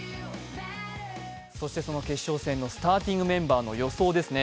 その決勝戦のスターティングメンバーの予想ですね。